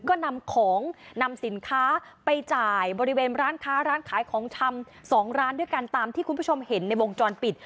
ก็นำของนำสินค้าไปจ่ายบริเวณร้านค้าร้านขายของชำ๒ร้านด้วยกันตามที่คุณผู้ชมเห็นในวงจรปิด